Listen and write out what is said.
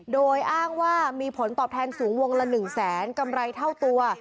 โดยอ้างว่ามีผลตอบแทนสูงวงละ๑แสนกำไรเท่าตัว